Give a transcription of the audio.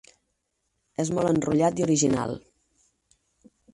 És molt enrotllat i original.